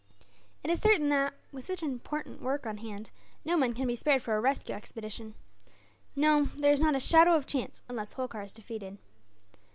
"It is certain that, with such important work on hand, no men can be spared for a rescue expedition. No, there is not a shadow of chance, unless Holkar is defeated."